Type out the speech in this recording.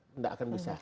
tidak akan bisa